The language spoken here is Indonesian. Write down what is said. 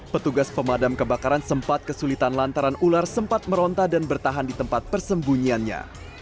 petugas pemadam kebakaran sempat kesulitan lantaran ular sempat meronta dan bertahan di tempat persembunyiannya